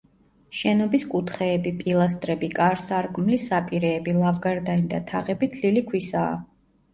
შენობის კუთხეები, პილასტრები, კარ-სარკმლის საპირეები, ლავგარდანი და თაღები თლილი ქვისაა.